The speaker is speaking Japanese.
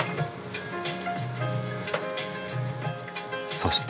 そして。